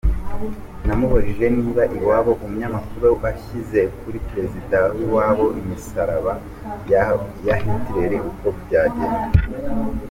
Namubajije niba iwabo uunyamakuru ashyize kuri Perezida w’iwabo imisaraba ya Hitler, uko byagenda ?